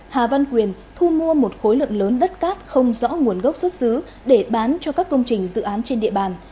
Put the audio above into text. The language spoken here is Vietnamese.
hà văn quyền thu mua một khối lượng lớn đất cát không rõ nguồn gốc xuất xứ để bán cho các công trình dự án trên địa bàn